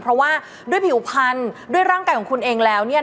เพราะว่าด้วยผิวพันธุ์ด้วยร่างกายของคุณเองแล้วเนี่ย